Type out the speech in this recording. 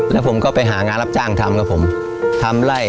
แล้วผมก็ไปหางานรับจ้างทำกับผมทำไล่